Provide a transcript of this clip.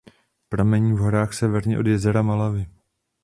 Pramení v horách severně od jezera Malawi.